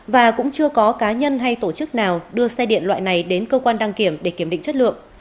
và cũng chưa có cá nhân hay tổ chức nào đưa xe điện loại này đến cơ quan đăng kiểm để kiểm định chất lượng